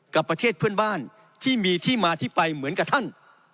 ประเทศเพื่อนบ้านที่มีที่มาที่ไปเหมือนกับท่าน